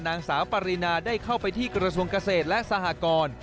นางสาวปรินาได้เข้าไปที่กระทรวงเกษตรและสหกร